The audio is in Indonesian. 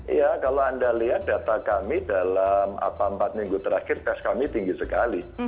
iya kalau anda lihat data kami dalam empat minggu terakhir tes kami tinggi sekali